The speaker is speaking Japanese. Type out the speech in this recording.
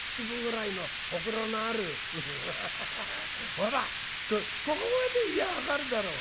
ほらここまで言やあ分かるだろ」。